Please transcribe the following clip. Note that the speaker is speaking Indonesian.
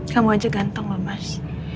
kamu aja ganteng loh mas